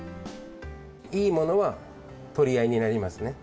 いいものは取り合いになりますね。